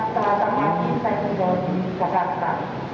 selatan hari saya sudah di jakarta